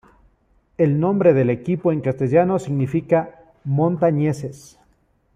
El nombre del equipo en castellano significa "Montañeses".